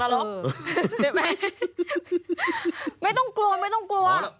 ใช่ไหมไม่ต้องกลัวไม่ต้องกลัว